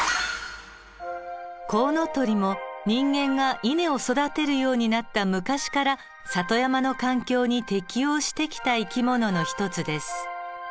コウノトリも人間が稲を育てるようになった昔から里山の環境に適応してきた生き物の一つです。